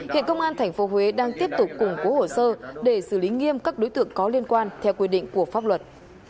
hiện công an tp huế đang tiếp tục củng cố hồ sơ để xử lý nghiêm các đối tượng có liên quan theo quy định của pháp luật